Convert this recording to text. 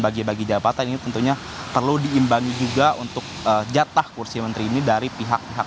bagi bagi jabatan ini tentunya perlu diimbangi juga untuk jatah kursi menteri ini dari pihak pihak